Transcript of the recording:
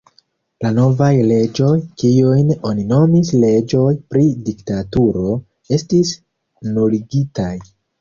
La novaj leĝoj, kiujn oni nomis leĝoj pri diktaturo, estis nuligitaj.